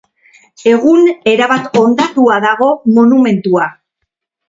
Egun erabat hondatua dago monumentua.